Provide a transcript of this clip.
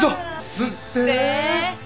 吸ってー。